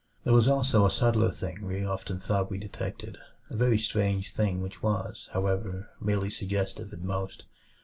There was also a subtler thing we often thought we detected a very strange thing which was, however, merely suggestive at most.